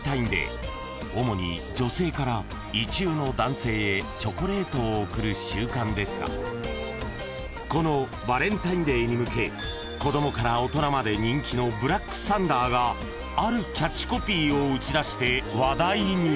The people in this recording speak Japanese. ［主に女性から意中の男性へチョコレートを贈る習慣ですがこのバレンタインデーに向け子供から大人まで人気のブラックサンダーがあるキャッチコピーを打ち出して話題に］